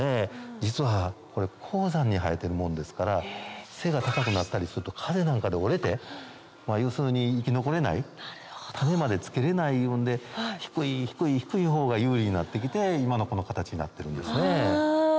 実は高山に生えてるもんですから背が高くなったりすると風なんかで折れて生き残れない種までつけれないんで低い低い低いほうが有利になってきて今のこの形になってるんですね。